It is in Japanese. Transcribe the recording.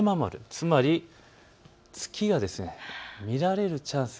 つまり月が見られるチャンス。